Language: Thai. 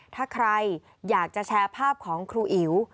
ถ้าใครอยากจะแชร์ภาพของครูอิ๋ว